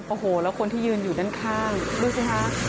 โอ้โหแล้วคนที่ยืนอยู่ด้านข้างดูสิคะ